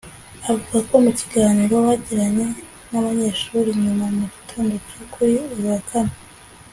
Avuga ko mu kiganiro bagiranye n’abanyeshuri nyuma mu gitondo cyo kuri uyu wa kane